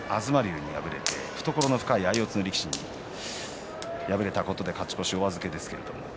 水戸龍、昨日、東龍に敗れて懐の深い相四つの力士敗れたことで勝ち越しお預けの平戸海。